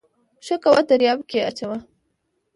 ښه کوه دریاب کې واچوه